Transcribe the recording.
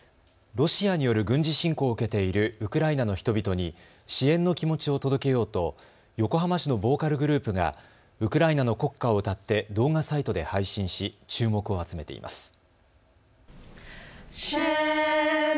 ロシアによる軍事侵攻を受けているウクライナの人々に支援の気持ちを届けようと横浜市のボーカルグループがウクライナの国歌を歌って動画サイトで配信し、注目を集めています。